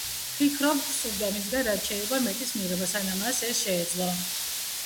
ვფიქრობ, გვსურდა მისგან რაც შეიძლება მეტის მიღება, სანამ მას ეს შეეძლო.